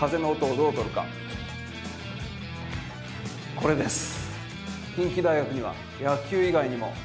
これです。